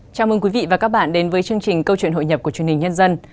chào mừng quý vị và các bạn đến với chương trình câu chuyện hội nhập của truyền hình nhân dân